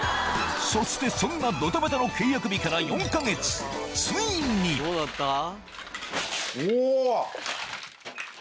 そしてそんなドタバタの契約日から４か月ついにお！